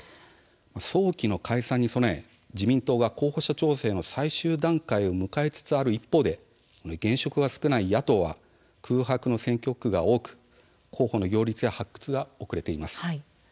早期の解散に備え自民党は候補者調整の最終段階を迎えつつある一方で現職が少ない野党は空白の選挙区が多く候補の擁立や発掘が遅れています。